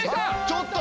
ちょっと！